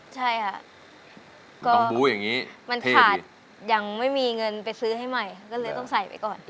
ใช่ค่ะมันขาดยังไม่มีเงินไปซื้อให้ใหม่ก็เลยต้องใส่ไปก่อน